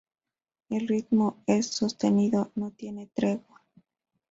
El ritmo es sostenido, no tiene tregua.